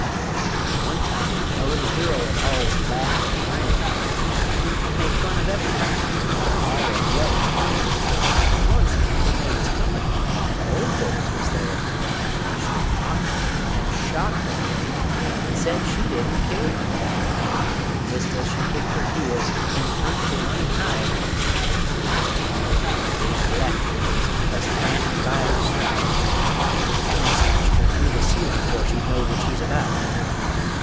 An' one time a little girl 'ud allus laugh an' grin, An' make fun of ever' one, an' all her blood an' kin; An' onc't when they was "company," an' ole folks was there, She mocked 'em an' shocked 'em, an' said she didn't care! An' thist as she kicked her heels, an' turn't to run an' hide, They was two great big Black Things a standin' by her side, An' they snatched her through the ceilin' 'fore she knowed what she's about!